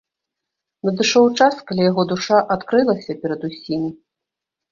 Надышоў час, калі яго душа адкрылася перад усімі.